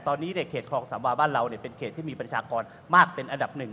ตอนนี้ในเขตคลองสามวาบ้านเราเป็นเขตที่มีประชากรมากเป็นอันดับหนึ่ง